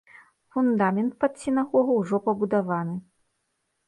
Фундамент пад сінагогу ўжо пабудаваны.